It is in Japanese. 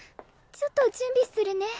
ちょっと準備するね。